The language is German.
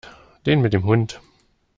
Den mit dem Hund.